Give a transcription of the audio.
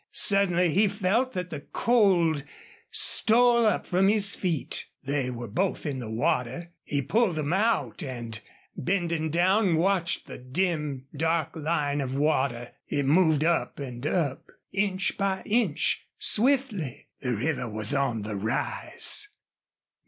Suddenly he felt that the cold stole up from his feet. They were both in the water. He pulled them out and, bending down, watched the dim, dark line of water. It moved up and up, inch by inch, swiftly. The river was on the rise!